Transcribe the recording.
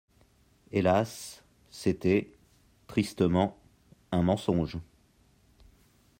Hélas, c’était, tristement, un mensonge.